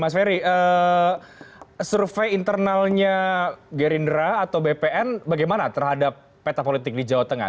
mas ferry survei internalnya gerindra atau bpn bagaimana terhadap peta politik di jawa tengah